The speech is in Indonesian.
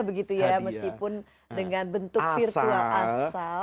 meskipun dengan bentuk virtual asal